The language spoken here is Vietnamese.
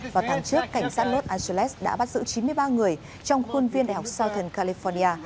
vào tháng trước cảnh sát los angeles đã bắt giữ chín mươi ba người trong khuôn viên đại học southen california